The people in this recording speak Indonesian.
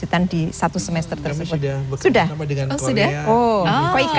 pertukaran mahasiswa dan juga mendapatkan pendapatan dari penduduk yang sudah berguna untuk